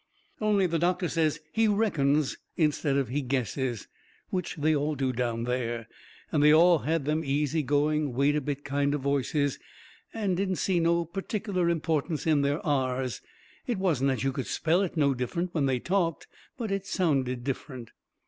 Only the doctor says he "reckons" instead of he "guesses," which they all do down there. And they all had them easy going, wait a bit kind of voices, and didn't see no pertic'ler importance in their "r's." It wasn't that you could spell it no different when they talked, but it sounded different.